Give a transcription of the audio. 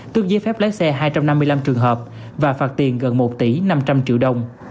tước giấy phép lái xe hai trăm năm mươi năm trường hợp và phạt tiền gần một tỷ năm trăm linh triệu đồng